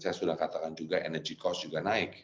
saya sudah katakan juga bahwa inflasi di dunia sangat tinggi